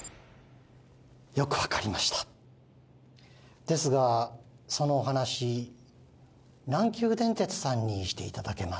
よく分かりましたですがそのお話南急電鉄さんにしていただけます？